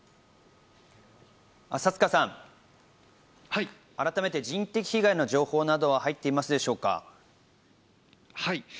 佐塚さん、改めて人的被害の情報などは入っていますでしょうか？